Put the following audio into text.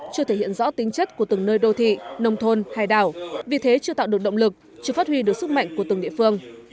chưa thể hiện rõ tính chất của từng nơi đô thị nông thôn hay đảo vì thế chưa tạo được động lực chưa phát huy được sức mạnh của từng địa phương